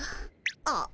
あっ。